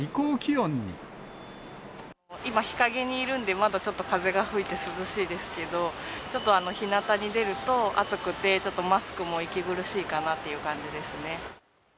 今、日陰にいるんで、まだちょっと風が吹いて涼しいですけど、ちょっとひなたに出ると、暑くてちょっとマスクも息苦しいかなっていう感じですね。